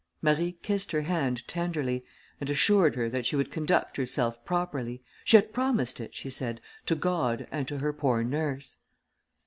Marie kissed her hand tenderly, and assured her that she would conduct herself properly, she had promised it, she said, to God and to her poor nurse.